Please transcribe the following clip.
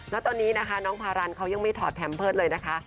แล้วตอนนี้นะคะน้องพารันเขายังไม่ถอดแพมเพิร์ตเลยนะคะ